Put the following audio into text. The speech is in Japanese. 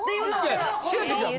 いや違う違う。